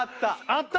あった！